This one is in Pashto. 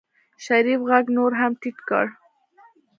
شريف غږ نور هم ټيټ کړ.